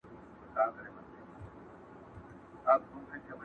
اوس له ګوتو د مطرب ويني را اوري.!